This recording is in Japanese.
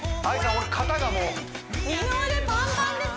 俺肩がもう二の腕パンパンです